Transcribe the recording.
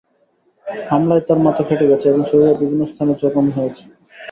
হামলায় তাঁর মাথা ফেটে গেছে এবং শরীরের বিভিন্ন স্থানে জখম হয়েছে।